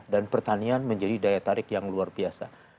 dan pertanian menjadi daya tarik yang luar biasa